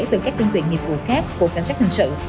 từ các chương trình nghiệp vụ khác của cảnh sát hình sự